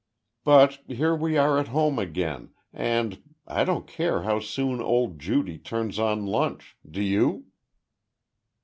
But, here we are at home again, and I don't care how soon old Judy turns on lunch. Do you?"